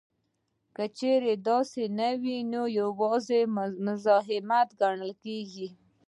که چېرې داسې نه وي نو یوازې مزاحمت نه ګڼل کیږي